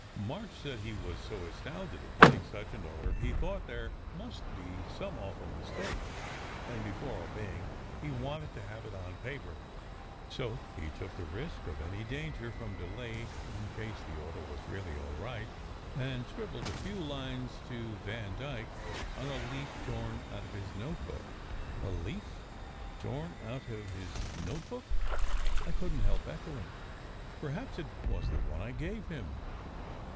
March said he was so astounded at getting such an order, he thought there must be some awful mistake, and before obeying he wanted to have it on paper. So he took the risk of any danger from delay in case the order was really all right, and scribbled a few lines to Vandyke on a leaf torn out of his notebook " "A leaf torn out of his notebook!" I couldn t help echo ing. " Perhaps it was the one I gave him."